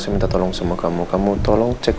saya minta tolong semua kamu kamu tolong cek